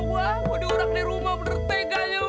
bu diurang di rumah bener bener tengahnya bu